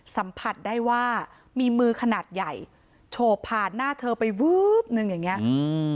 สัมผัสได้ว่ามีมือขนาดใหญ่โฉบผ่านหน้าเธอไปวื๊บนึงอย่างเงี้อืม